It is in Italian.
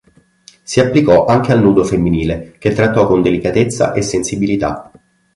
Si applicò anche al nudo femminile, che trattò con delicatezza e sensibilità.